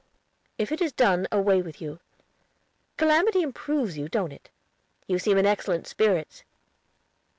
"If it is done, away with you. Calamity improves you, don't it? You seem in excellent spirits."